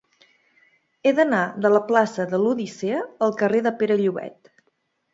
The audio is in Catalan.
He d'anar de la plaça de l'Odissea al carrer de Pere Llobet.